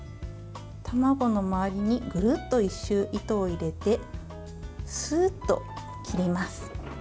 卵の周りに、ぐるっと一周糸を入れて、スッと切ります。